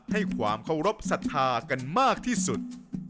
ให้ความเคารพสัทธากันมากที่สุด